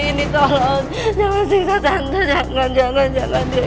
ini tolong jangan siksa tante jangan jangan jangan